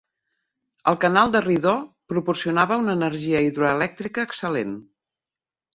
El canal de Rideau proporcionava una energia hidroelèctrica excel·lent.